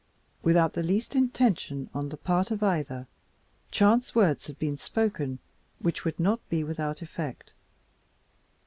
Without the least intention on the part of either, chance words had been spoken which would not be without effect.